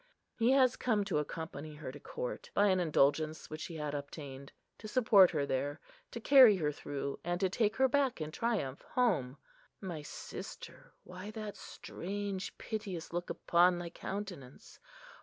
He has come to accompany her to court, by an indulgence which he had obtained; to support her there,—to carry her through, and to take her back in triumph home. My sister,—why that strange, piteous look upon thy countenance?